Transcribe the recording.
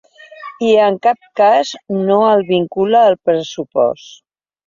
I en cap cas no el vincula al pressupost.